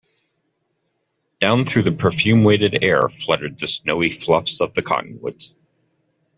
Down through the perfume weighted air fluttered the snowy fluffs of the cottonwoods.